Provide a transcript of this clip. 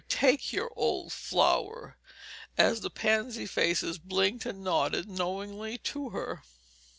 take your old flower" as the pansy faces blinked and nodded knowingly to her.